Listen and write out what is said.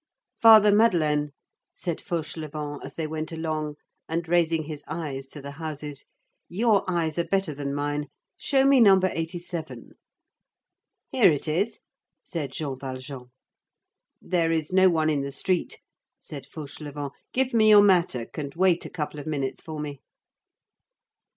"Father Madeleine," said Fauchelevent as they went along, and raising his eyes to the houses, "Your eyes are better than mine. Show me No. 87." "Here it is," said Jean Valjean. "There is no one in the street," said Fauchelevent. "Give me your mattock and wait a couple of minutes for me."